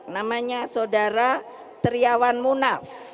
namanya saudara teriawan munaf